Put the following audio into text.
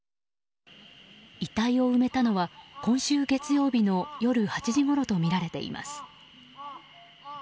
遺体を埋めたのは今週月曜日の夜８時ごろとみられています。